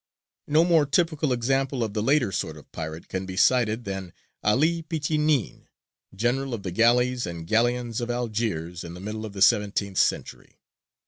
No more typical example of the later sort of pirate can be cited than 'Ali Pichinin, General of the Galleys and galleons of Algiers in the middle of the seventeenth century.